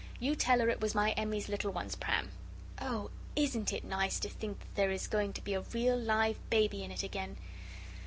You tell her it was my Emmie's little one's pram " "Oh, ISN'T it nice to think there is going to be a real live baby in it again!"